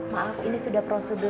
maaf ini sudah prosedur